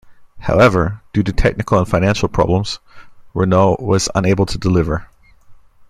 However, due to technical and financial problems, Renault was unable to deliver.